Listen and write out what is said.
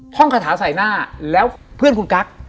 ท่องคาถาใส่หน้าแล้วเพื่อนคุณกั๊ก